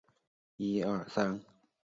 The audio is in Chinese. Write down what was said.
兄终弟及是一种继承的制度。